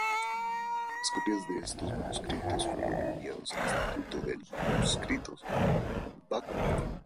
Las copias de estos manuscritos fueron enviados al Instituto del Manuscritos en Bakú.